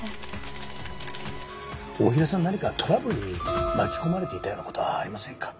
太平さん何かトラブルに巻き込まれていたような事はありませんか？